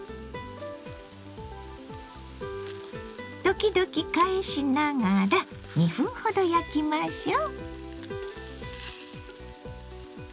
時々返しながら２分ほど焼きましょう。